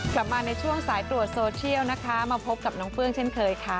กลับมาในช่วงสายตรวจโซเชียลนะคะมาพบกับน้องเฟื้องเช่นเคยค่ะ